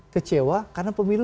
kecewa karena pemilu